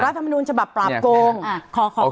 รัฐธรรมนูญฉบับปราบโกง